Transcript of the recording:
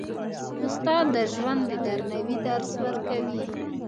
استاد د ژوند د درناوي درس ورکوي.